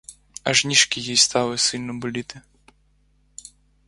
Аж ніжки їй стали сильно боліти.